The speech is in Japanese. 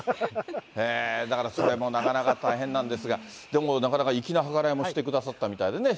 それもなかなか大変なんですが、でもなかなか粋な計らいもしてくださったみたいで。